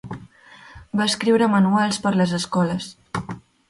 Va escriure manuals per les escoles.